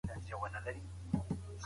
زموږ په هېواد کي دا روحیه مروجه نه وه.